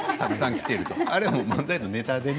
あれは漫才のネタでね。